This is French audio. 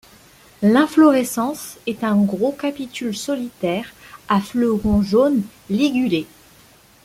L'inflorescence est un gros capitule solitaire, à fleurons jaunes ligulés.